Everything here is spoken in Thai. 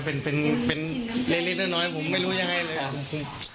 มันเป็นอะไรเนี่ยกระดูก